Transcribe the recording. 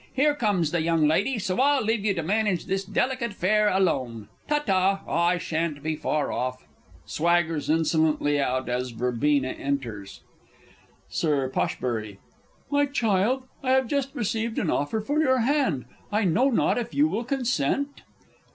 Here comes the young lady, so I'll leave you to manage this delicate affair alone. Ta ta. I shan't be far off. [Swaggers insolently out as VERB. enters. Sir P. My child, I have just received an offer for your hand. I know not if you will consent?